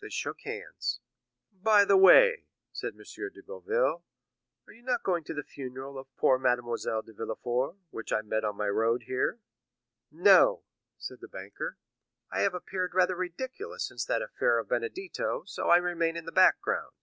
They shook hands. "By the way," said M. de Boville, "are you not going to the funeral of poor Mademoiselle de Villefort, which I met on my road here?" "No," said the banker; "I have appeared rather ridiculous since that affair of Benedetto, so I remain in the background."